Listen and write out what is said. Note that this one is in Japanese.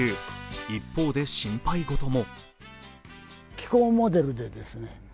一方で心配事も。